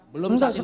belum saat ini